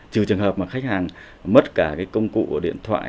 trừ trường hợp mà khách hàng mất cả cái công cụ điện thoại